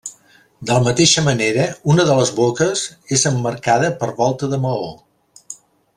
De la mateixa manera, una de les boques és emmarcada per volta de maó.